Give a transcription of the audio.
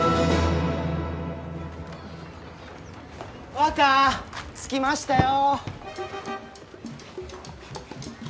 若着きましたよ！